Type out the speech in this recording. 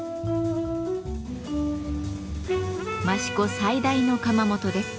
益子最大の窯元です。